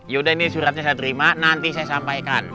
yaudah ini suratnya saya terima nanti saya sampaikan